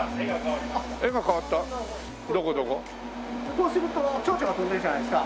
こうするとチョウチョが飛んでるじゃないですか？